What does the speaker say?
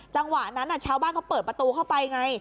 จังหวะนั้นชาวบ้านเขาเปิดประตูเข้าไปไง